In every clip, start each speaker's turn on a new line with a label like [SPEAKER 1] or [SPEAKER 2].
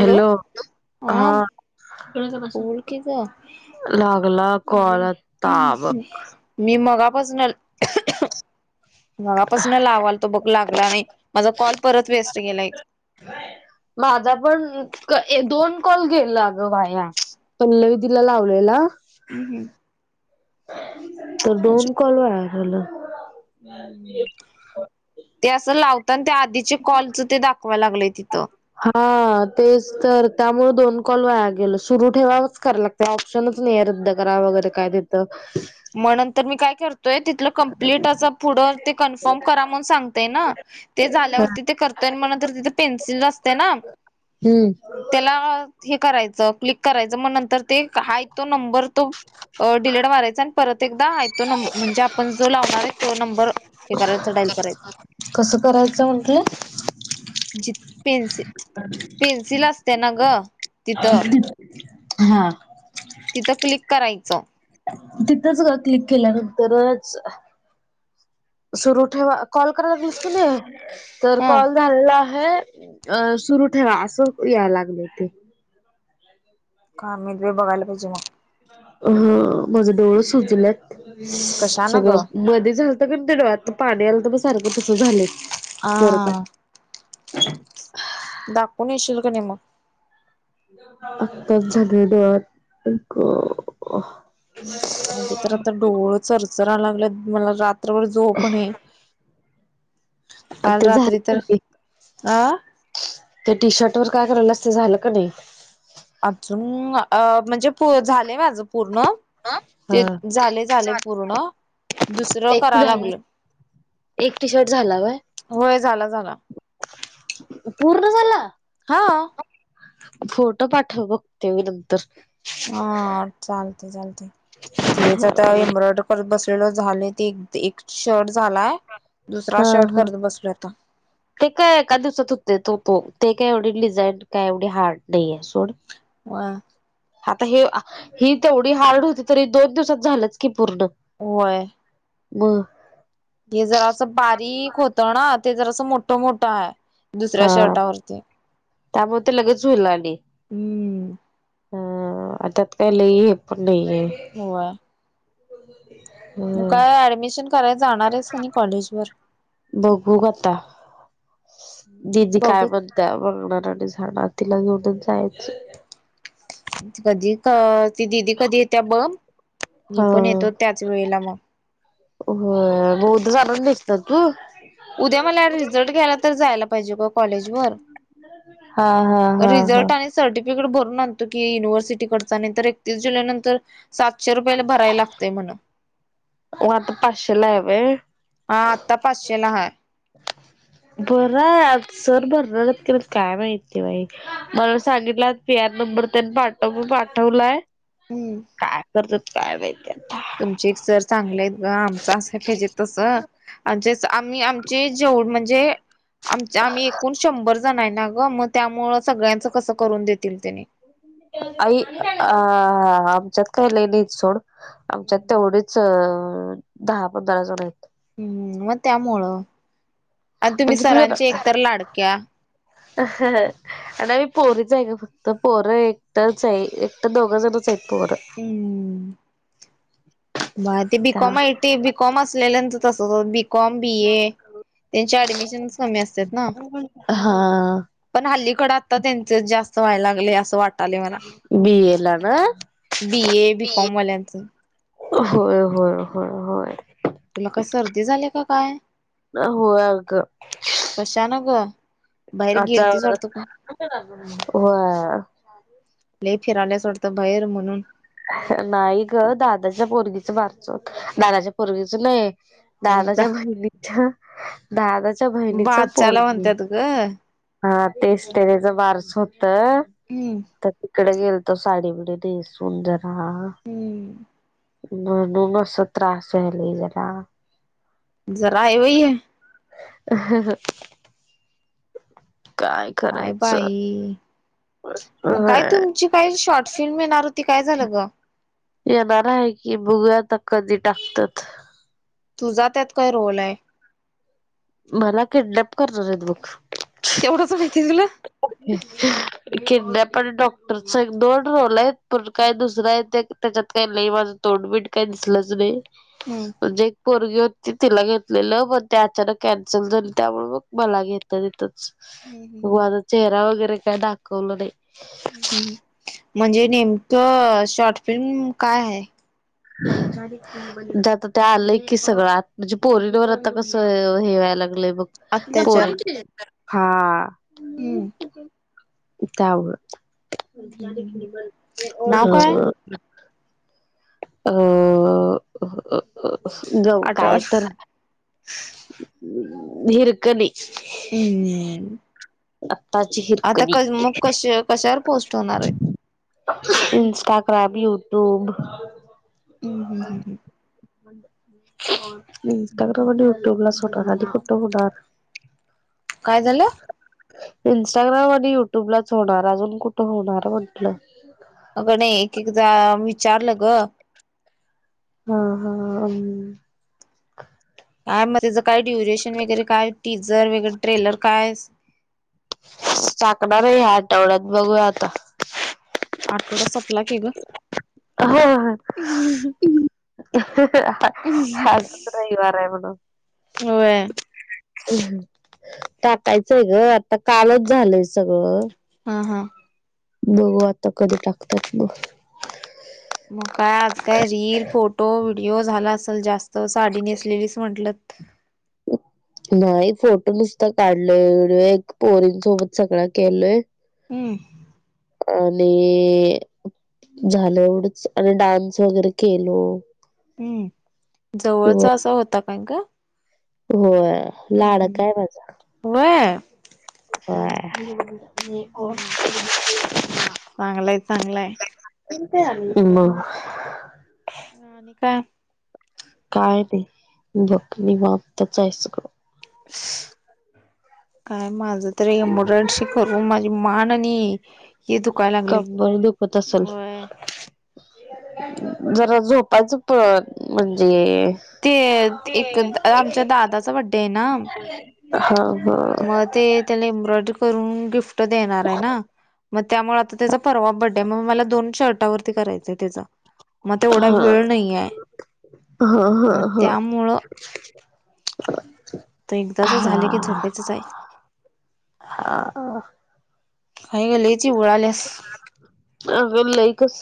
[SPEAKER 1] Hello हा
[SPEAKER 2] बोल
[SPEAKER 1] [unintelligible]
[SPEAKER 2] की ग
[SPEAKER 1] लागला कॉल आत
[SPEAKER 2] मी मगापासून [unintelligible] मगापासून लावालतो तो बघ लागला नही माझा कॉल परत वेस्ट केेलाय
[SPEAKER 1] माझा पण एक दोन कॉल गेला अगं वाया [unintelligible] दीदी लावलेला
[SPEAKER 2] [unintelligible]
[SPEAKER 1] तर दोन कॉलवर [unintelligible]
[SPEAKER 2] ते असं लावतन ते आधी चे कॉलच ते दाखवाय लागलंय तिथं
[SPEAKER 1] हा तेच तर त्यामुळ दोन कॉल वाया गेलं सुरू ठेवाव [unintelligible] कर [unintelligible] ते ऑप्शनच नई ये रद्द करा वगैरे काय तिथं
[SPEAKER 2] म्हणून तर मी काय करतोय तिथलं कम्प्लीट अस पुढं ते कन्फर्म करा म्हणून सांगतेय ना. ते झाल्यावर तिथे करतोय म्हणा तर तिथे पेन्सिल असते ना.
[SPEAKER 1] हम्म.
[SPEAKER 2] त्याला हे करायचं क्लिक करायचं मग नंतर ते क हाय तो नंबर तो अ डिलिट मारायचान परत एकदा हाय तो नंब म्हणजे आपण जो लावणार हाय तो नंबर हे [inaudible] डायल कराय [inaudible]
[SPEAKER 1] कसं करायचं म्हटलं.
[SPEAKER 2] जी पेन्सिल पेन्सिल असते ना ग. तिथं
[SPEAKER 1] [unintelligible] अ-हा.
[SPEAKER 2] तिथं क्लिक करायचं.
[SPEAKER 1] तिथंच ग क्लिक केल्यानंतरच सुरू ठेवा कॉल करायला [inaudible] तर
[SPEAKER 2] हं
[SPEAKER 1] कॉल झाला आहे अ सुरु ठेवा असं याय लागलं ते [inaudible]
[SPEAKER 2] कामे बी बघाईल पाहिजे मग.
[SPEAKER 1] अ-ह माझ डोळं सुजल्यात
[SPEAKER 2] कशान
[SPEAKER 1] सगळं
[SPEAKER 2] ग
[SPEAKER 1] मध्ये झाल तुमच्या डोळ्यात पाणी आलं तर सारखं तसं झालं.
[SPEAKER 2] आ.. दाखवून येशील का नाही मग.
[SPEAKER 1] आत्ताच झालेये डोळ्यात आई ग अ [unintelligible]
[SPEAKER 2] म्हणजे तर आता डोळ चरचरायला लागलं मला रात्रभर झोप नाही. काल
[SPEAKER 1] ते
[SPEAKER 2] रात्री
[SPEAKER 1] झालं
[SPEAKER 2] तर
[SPEAKER 1] नाही
[SPEAKER 2] अ
[SPEAKER 1] त्या टी शर्ट वर काय करायल अस ते झालं का नाही.
[SPEAKER 2] अजून अ म्हणजे पु झालेय माझं. पूर्ण ते
[SPEAKER 1] नाही
[SPEAKER 2] झाले झाले पूर्ण. दुसरं
[SPEAKER 1] एक
[SPEAKER 2] करा
[SPEAKER 1] झाला
[SPEAKER 2] लागलं.
[SPEAKER 1] एक टी शर्ट झाला होय.
[SPEAKER 2] होय झाला झाला.
[SPEAKER 1] पूर्ण झाला?
[SPEAKER 2] हाव.
[SPEAKER 1] फोटो पाठव बघते मी नंतर.
[SPEAKER 2] आ-हा चालतय चालतय तेच आता [inaudible] करत बस [inaudible] झालंय ते एक ते एक शर्ट झालाय दुसरा
[SPEAKER 1] हा
[SPEAKER 2] शर्ट
[SPEAKER 1] हा
[SPEAKER 2] करत बसलोय आता.
[SPEAKER 1] ते काय एका दिवसात होतय तो तो ते काय एवढी डिझाईन काय एवढी हार्ड नईये सोड.
[SPEAKER 2] वा आ
[SPEAKER 1] आता हे ही तेवढी हार्ड होती तरी दोन दिवसात झालंच की पूर्ण.
[SPEAKER 2] होय.
[SPEAKER 1] ब
[SPEAKER 2] हे जरा असं बारीक होत ना ते जरा असं मोठं मोठं आहे. दुसऱ्या
[SPEAKER 1] हा
[SPEAKER 2] शर्टावरती
[SPEAKER 1] त्यामुळे ते लगेच होलाली.
[SPEAKER 2] हम्म
[SPEAKER 1] हा आताात काय लईे हे पण नाहीे.
[SPEAKER 2] गोवा
[SPEAKER 1] ब [unintelligible]
[SPEAKER 2] मग काय ऍडमिशन करायला जाणार आहेस का नाही कॉलेज वर?
[SPEAKER 1] बघू का आता दिदी काय
[SPEAKER 2] बघू
[SPEAKER 1] बण त्या बगणार आणि झाडं तिला घेऊनच जायचं.
[SPEAKER 2] अ कधी ती दिदी कधी येते बघ मी
[SPEAKER 1] हा
[SPEAKER 2] पण येतो त्याच वेळेला मग.
[SPEAKER 1] हो बौध झाून दिसतात तू.
[SPEAKER 2] उद्या मला रिझल्ट घ्यायला तर जायला पाहिजे का कॉलेज वर.
[SPEAKER 1] हा हा. हा हा
[SPEAKER 2] रिझल्ट आणि सर्टिफिकेट भरून आणतो की युनिव्हर्सिटी कडचा नाही तर एकतीस जुलै नंतर. सातशे रुपयाला भराय लागतेय म्हण.
[SPEAKER 1] मग आता पाचशेला आहे व्हय
[SPEAKER 2] हा आत्ता पाचशेला हा.
[SPEAKER 1] बरं आहे सर भरणार काय माहिित आहे बाई. मला सांगितलं पी आर नंबर त्यानी पाठव पाठवलाय.
[SPEAKER 2] हम्म
[SPEAKER 1] काय करतात काय माहित.
[SPEAKER 2] तुमचे एक सर चांगले आहेत ग आमचं अस फजे तस. आज आम्ही आमचे जेव म्हणजे. आम आम्ही एकूण शंभर जण आहे ना ग मग त्यामुळ सगळ्यांच कसं करून देतील त्याने.
[SPEAKER 1] अई अ आमच्यात कायलानच सोड. आमच्यात
[SPEAKER 2] हम्म
[SPEAKER 1] तेवढीच अ दहा पंधरा जण आहेत.
[SPEAKER 2] हम्म मग त्यामुळं. आणि तुम्ही
[SPEAKER 1] म्हणजे तुझ्या
[SPEAKER 2] सरांचे एकतर लाडक्या.
[SPEAKER 1] घरात [unintelligible] आणि आम्ही पोहरीच आहे का फक्त पोरं एकटाच आहे एकट दोघ जणच आहेत पोरं.
[SPEAKER 2] हम. ब ते बीकॉमे बीकॉम असल्यांतर तसं ब कॉम बी ए त्यांच्या ऍडमिशनस कमी असतात ना.
[SPEAKER 1] हा
[SPEAKER 2] पण हल्लीकडे आत्ता त्यांचे जास्त व्हाय लागले असं वाटत. मला
[SPEAKER 1] बी ए ला ना
[SPEAKER 2] बी ए बीकॉम वाल्यांचं.
[SPEAKER 1] होय होय होय होय.
[SPEAKER 2] तुला काय सर्दी झाली का काय?
[SPEAKER 1] अ होग.
[SPEAKER 2] कशानक.
[SPEAKER 1] अच्छा ह. अ
[SPEAKER 2] लले फिरायल्यास वाटतं बाहेर म्हणून.
[SPEAKER 1] नाही ग दादाच्या पोरगीच मारचोत दादाच्या पोरगीच नाही.
[SPEAKER 2] एकदा
[SPEAKER 1] दादाच्या बहिणीच्या दादाच्या बहिणीच
[SPEAKER 2] बाच्याला
[SPEAKER 1] पोरणी.
[SPEAKER 2] म्हणतात ग हम्म
[SPEAKER 1] हा तेस टेनेचा वारस होत तर. इकडे गेल तो साडी बिडी सून जरा
[SPEAKER 2] हम्म
[SPEAKER 1] म्हनुन अस त्रास वायले जरा.
[SPEAKER 2] जरा आहे वही आहे.
[SPEAKER 1] हा ह. काय?
[SPEAKER 2] काय
[SPEAKER 1] करायचं
[SPEAKER 2] बाई
[SPEAKER 1] अ
[SPEAKER 2] मग काय तुमची? काही शॉर्ट फिल्म मिळणार होती काय झालं ग?
[SPEAKER 1] येणार आहे की बुघू आता कधी टाकतात.
[SPEAKER 2] तुझा त्यात काय रोल आहे?
[SPEAKER 1] मला किडडप करणार आहेत बक.
[SPEAKER 2] तेवढा स भ इथला.
[SPEAKER 1] किन पण डॉक्टरचा दोन रोल आहेत पण काय दुसरा आहे त्या. त्याच्यात काही नाही माझं तोंडबीट काही दिसलंच नाही.
[SPEAKER 2] हम्म.
[SPEAKER 1] म्हणजे एक पोरगी होती तिला घेतलेलं पण ते अचानक. कॅन्सल झाली त्यामुळे मग मला घ येतच
[SPEAKER 2] हम्म हम्म हम्म.
[SPEAKER 1] चेहरा वगैरे काय दाखवलं नाही?
[SPEAKER 2] ह. म्हणजे नेमकं शॉर्ट फिल्म काय आहे?
[SPEAKER 1] हडी. म्हणजे आता ते आलंय की सगळं म्हणजे पोरींवर आता कसं हेवायला लागलंय बघ.
[SPEAKER 2] अत्याचार.
[SPEAKER 1] पोहे [unintelligible] हा.
[SPEAKER 2] हम्म.
[SPEAKER 1] त्यावर
[SPEAKER 2] हम्म हम्म हम्म. नाव काय?
[SPEAKER 1] हो.. अ जा
[SPEAKER 2] आठव
[SPEAKER 1] काय तर हरकणी.
[SPEAKER 2] हम्म.
[SPEAKER 1] आताची
[SPEAKER 2] आता
[SPEAKER 1] हिरकणी.
[SPEAKER 2] क मग कश कशावर पोस्ट होणार आहेत?
[SPEAKER 1] इंस्टाग्राम, युट्यूब,
[SPEAKER 2] हम्म, हम्म, हम्म.
[SPEAKER 1] हो ह. [unintelligible] यूट्यूबला स्वता जाते
[SPEAKER 2] हम्म.
[SPEAKER 1] कुठ कुठ
[SPEAKER 2] काय झालं?
[SPEAKER 1] इंस्टाग्राम आणि युट्यूबलाच होणार अजून कुठं होणार म्हंटल.
[SPEAKER 2] अग नाही एक, एकदा विचारलग
[SPEAKER 1] हा हा.
[SPEAKER 2] काय मग त्याचं काय ड्युरेशन वगैरे काय टीजर वगैरे ट्रेलर काय?
[SPEAKER 1] टकणार आहे ह्या आठवड्यात बघूया आता.
[SPEAKER 2] आठवडा संपला कि ग
[SPEAKER 1] ह हा हा हा आज रविवार हाय म्हणून.
[SPEAKER 2] होय.
[SPEAKER 1] टाकायचग आता कालच झालंय सगळ.
[SPEAKER 2] हां हां.
[SPEAKER 1] बघू आता कधी टाकतात मघ.
[SPEAKER 2] मग काय आज काय रील फोटो, व्हिडिओ झाला असेल जास्त साडी नेसलेलीच म्हंटल.
[SPEAKER 1] नाही फोटो नुसत काढलंय वगैरे पोरींसोबत सगळं केलय.
[SPEAKER 2] हम्म.
[SPEAKER 1] आणि झालं एवढंच आणि डान्स वगैरे केलो
[SPEAKER 2] हम्म.
[SPEAKER 1] हो
[SPEAKER 2] जवळचा असा होता काय ग?
[SPEAKER 1] होय लाडकाय माझा.
[SPEAKER 2] होय.
[SPEAKER 1] होय.
[SPEAKER 2] चांगलाय चांगलाय
[SPEAKER 1] तुम्ही काय आणले? मग.
[SPEAKER 2] ह आणि काय?
[SPEAKER 1] काय नाही ग झोप नवातच हा यसग [unintelligible] हा [unintelligible]
[SPEAKER 2] काय माझ तरी एम्बडंशी करून माझी मान आणि हे दुखाय लागलय
[SPEAKER 1] कंबर दुखत असल?
[SPEAKER 2] व्हय
[SPEAKER 1] जरा झोपायचं पण म्हणजे.
[SPEAKER 2] ते एक आमच्या दादाचा बड्डे आहे ना.
[SPEAKER 1] हा. हा
[SPEAKER 2] मग ते त्याला एम्ब्रॉयडरी करून गिफ्ट देणार आहेना. मग त्यामुळे आता त्याचा परवा बड्डे आहे मग मला दोन शर्टावरती करायचय त्याच. मग तेवढा
[SPEAKER 1] हा
[SPEAKER 2] वेळ नाही आहे मग त्यामुळ
[SPEAKER 1] का [inaudible]
[SPEAKER 2] ते एकदाच झाले की झोपायचच आहे.
[SPEAKER 1] हा
[SPEAKER 2] हाय ग लयी चिगुुळाल्यास
[SPEAKER 1] अगं लई कस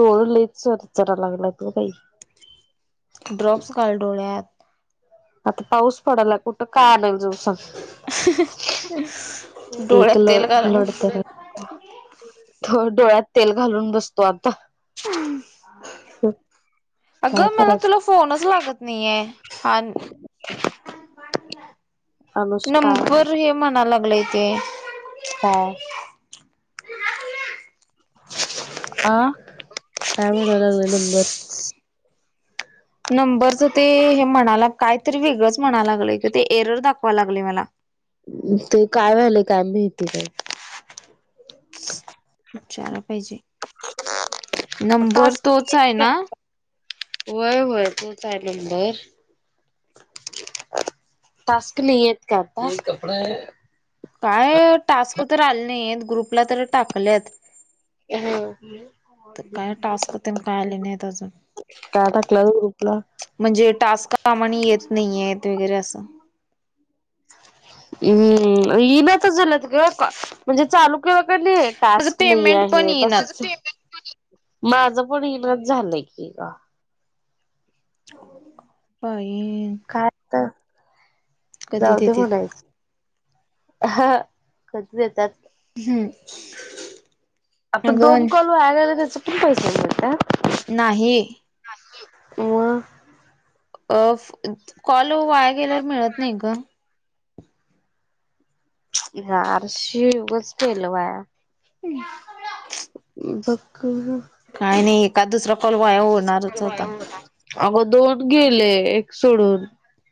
[SPEAKER 1] डोळ लईच चरा चरा लागलाय ग बाई.
[SPEAKER 2] ड्रॉप्स घाल डोळ्यात.
[SPEAKER 1] आता पाऊस पडायला कुठं काय आणल जाऊ सांग. एक
[SPEAKER 2] डोळ्यात
[SPEAKER 1] लळ
[SPEAKER 2] तेल घाल मग
[SPEAKER 1] लळ तर हे थोड डोळ्यात तेल घालून बसतु आता. काय
[SPEAKER 2] अगं मला तुला
[SPEAKER 1] करायचं
[SPEAKER 2] फोनच लागत नाहीये. आन
[SPEAKER 1] अनुष्का
[SPEAKER 2] नंबर हे. मना लागलेय ते.
[SPEAKER 1] हा.
[SPEAKER 2] आ.
[SPEAKER 1] काय म्हणा लागलंय नंबर.
[SPEAKER 2] नंबरच ते हे म्हणाला कायतरी वेगळंच म्हणा लागलंय क ते एरर दाखवा लागले मला.
[SPEAKER 1] ते काय झालं काय माहिती का.
[SPEAKER 2] विचारा पाहिजे. नंबर
[SPEAKER 1] टास्क
[SPEAKER 2] तोच आहे ना
[SPEAKER 1] [unintelligible] व्हय व्हय तोच आहे नंबर. टास्क नाही येत का आता. [unintelligible]
[SPEAKER 2] काय टास्क तर आले नाही आहेत ग्रुपला तर टाकलेत.
[SPEAKER 1] ह.
[SPEAKER 2] तर काय टास्क तेन काय आले नाहीत अजून
[SPEAKER 1] टाटा [unintelligible]
[SPEAKER 2] म्हणजे टास्क कामाने येत नाहीये त वगैरे असं
[SPEAKER 1] हम्म येना त झालंत ग म्हणजे चालू
[SPEAKER 2] माझं पेमेंट पण येईनात
[SPEAKER 1] [unintelligible] माझं पण इना झालंय की का.
[SPEAKER 2] बाई.
[SPEAKER 1] काय तर
[SPEAKER 2] कधी
[SPEAKER 1] जाऊ दे
[SPEAKER 2] देतेत
[SPEAKER 1] म्हणायच. हा कधी देतात.
[SPEAKER 2] हम्म.
[SPEAKER 1] आता
[SPEAKER 2] अगं
[SPEAKER 1] दोन
[SPEAKER 2] वंश
[SPEAKER 1] कॉल आहे गेले त्याचे पण पैसे मिळता?
[SPEAKER 2] नाही.
[SPEAKER 1] म.
[SPEAKER 2] ॲफ कॉल वाया गेल्यावर मिळत नाही ग.
[SPEAKER 1] यार शी उगाच केल वया.
[SPEAKER 2] [unintelligible]
[SPEAKER 1] बक.
[SPEAKER 2] काही नाही एका दुसरा कॉल वाया होणारच होता.
[SPEAKER 1] अहो दोन गेले एक सोडून.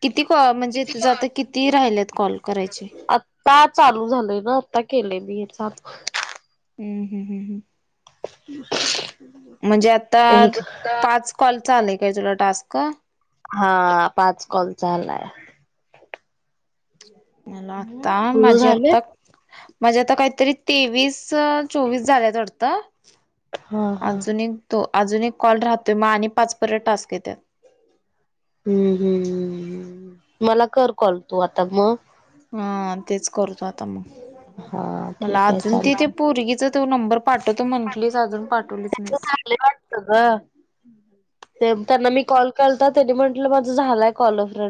[SPEAKER 2] किती कॉ म्हणजे तुझं आता किती राहिलेत कॉल करायचे?
[SPEAKER 1] का चालू झालंय ना आता केलये मी हे चालू.
[SPEAKER 2] हम्म हम्म हम्म.
[SPEAKER 1] [inaudible]
[SPEAKER 2] म्हणजे आता
[SPEAKER 1] एक
[SPEAKER 2] पाच कॉलचा आलाय काय तुला टास्क.
[SPEAKER 1] हा पाच कॉल चा आलाय.
[SPEAKER 2] मला आता
[SPEAKER 1] तुझं
[SPEAKER 2] माझे
[SPEAKER 1] झालंय?
[SPEAKER 2] आत्ता माझे आता काहीतरी तेवीस चोवीस झालेत वाटतं
[SPEAKER 1] हा हा.
[SPEAKER 2] अजून एक तो अजून एक कॉल राहतोय म आणि पाच परत टास्क येतात.
[SPEAKER 1] हम्म हम्म मला कर कॉल तू आता म
[SPEAKER 2] हा तेच करतो आता मग
[SPEAKER 1] हा
[SPEAKER 2] मला
[SPEAKER 1] ठीक आहे
[SPEAKER 2] अजून त तिथे
[SPEAKER 1] चालतंय.
[SPEAKER 2] पोरगीच तो नंबर पाठवतो म्हंटलीस अजून पाठवलीच नाही.
[SPEAKER 1] लई वाटतो ग. त्यांना मी कॉल करता त्यांनी म्हंटलं माझं झालंय कॉल फ्रेंड